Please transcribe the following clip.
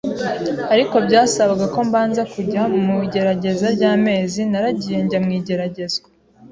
ariko byasabaga ko mbanza kujya mu igerageza ry’amezi naragiye njya mu igeragezwa